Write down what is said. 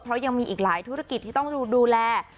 เพราะยังมีอีกหลายธุรกิจที่ต้องดูแล